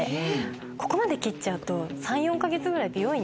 ここまで切っちゃうと。